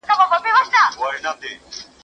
موږ سبا ته د تګ نیت لرو.